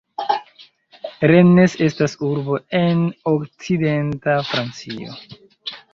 Rennes estas urbo en okcidenta Francio.